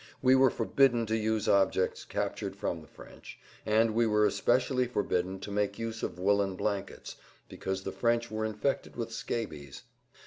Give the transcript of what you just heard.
We were forbidden to use objects captured from the French, and we were especially forbidden to make use of woolen blankets, because the French were infected with scabies.